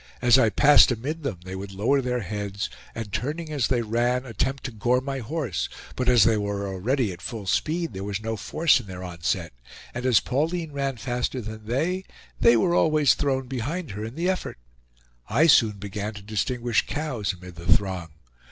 As I passed amid them they would lower their heads, and turning as they ran, attempt to gore my horse; but as they were already at full speed there was no force in their onset, and as Pauline ran faster than they, they were always thrown behind her in the effort. I soon began to distinguish cows amid the throng.